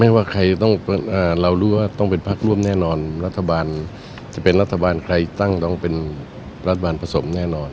ว่าใครต้องเรารู้ว่าต้องเป็นพักร่วมแน่นอนรัฐบาลจะเป็นรัฐบาลใครตั้งต้องเป็นรัฐบาลผสมแน่นอน